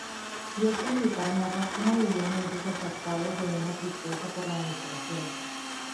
Y este militar narra cómo vivían ellos asaltados de una tristeza por la aniquilación.